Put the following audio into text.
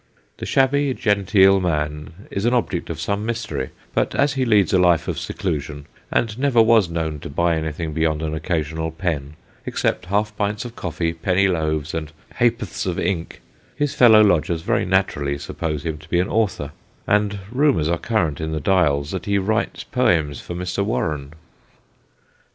The shabby genteel man is an object of some mystery, but as he leads a life of seclusion, and never was known to buy anything beyond an occasional pen, except half pints of coffee, penny loaves, and ha'porths of ink, his fellow lodgers very naturally suppose him to be an author ; and rumours are current in the Dials, that he writes poems for Mr. Warren.